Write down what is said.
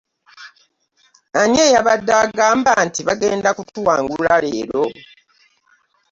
Ani eyabadde agamba nti bagenda kutuwangula leero?